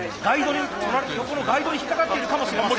横のガイドに引っ掛かっているかもしれません。